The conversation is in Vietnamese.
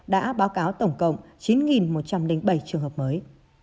đã báo cáo tổng cộng chín một trăm linh bảy trường hợp mới